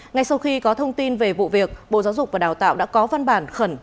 ngay sau khi có thông tin về vụ việc bộ giáo dục và đào tạo đã có văn bản khẩn